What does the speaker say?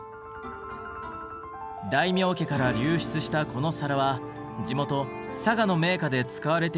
大名家から流出したこの皿は地元佐賀の名家で使われていたといいます。